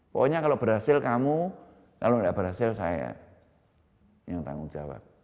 pokoknya kalau berhasil kamu kalau tidak berhasil saya yang tanggung jawab